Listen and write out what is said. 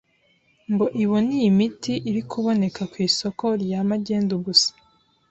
ngo ibone iyi miti iri kuboneka ku isoko rya magendu gusa.